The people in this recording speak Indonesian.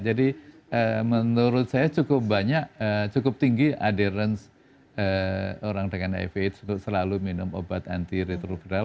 jadi menurut saya cukup banyak cukup tinggi adherence orang dengan hiv itu selalu minum obat anti retrograde